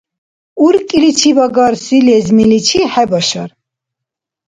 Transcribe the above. УркӀиличиб агарси лезмиличи хӀебашар.